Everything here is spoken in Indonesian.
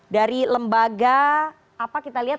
dari lembaga apa kita lihat